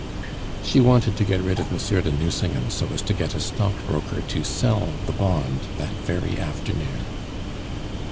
She wanted to get rid of Monsieur de Nucingen so as to get a stockbroker to sell the bond that very afternoon.